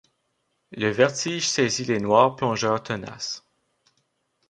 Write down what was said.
Le vertige saisit les noirs plongeurs tenaces